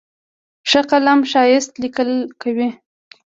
ښه قلم ښایسته لیکل کوي.